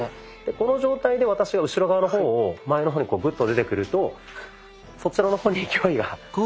この状態で私が後ろ側の方を前の方にグッと出てくるとそちらの方に勢いが。